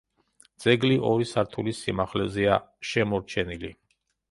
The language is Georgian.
ძეგლი ორი სართულის სიმაღლეზეა შემორჩენილი.